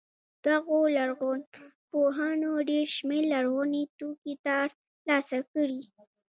دغو لرغونپوهانو ډېر شمېر لرغوني توکي تر لاسه کړي.